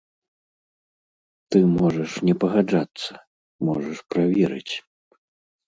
Ты можаш не пагаджацца, можаш праверыць.